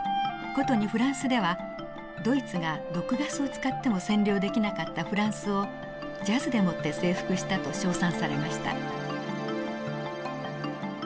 ことにフランスでは「ドイツが毒ガスを使っても占領できなかったフランスをジャズでもって征服した」と称賛されました。